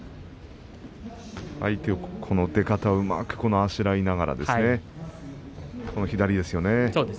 相手の出方をうまくあしらいながらですね。